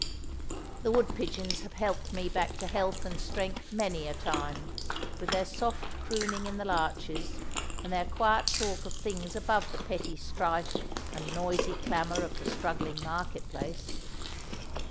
The wood pigeons have helped me back to health and strength many a time, with their soft crooning in the larches, and their quiet talk of things above the petty strife and noisy clamour of the struggling market place.